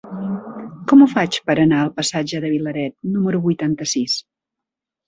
Com ho faig per anar al passatge de Vilaret número vuitanta-sis?